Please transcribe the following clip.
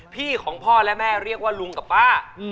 ของพ่อและแม่เรียกว่าลุงกับป้า